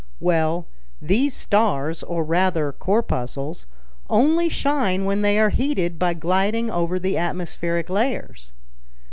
"Well, these stars, or rather corpuscles, only shine when they are heated by gliding over the atmospheric layers.